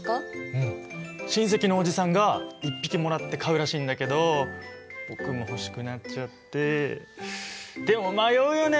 うん親戚のおじさんが１匹もらって飼うらしいんだけど僕も欲しくなっちゃってでも迷うよね